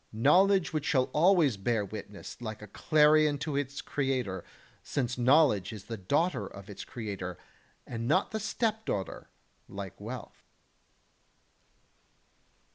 knowledge which shall always bear witness like a clarion to its creator, since knowledge is the daughter of its creator, and not the stepdaughter, like wealth.